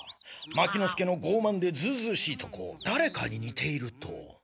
牧之介のごうまんでずうずうしいとこだれかににていると。